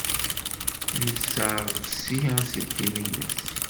Yesseɣsi aselkim-nnes.